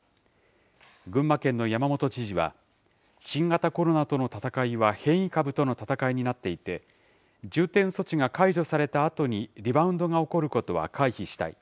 群馬県の山本知事は、新型コロナとの闘いは変異株との闘いになっていて、重点措置が解除されたあとにリバウンドが起こることは回避したい。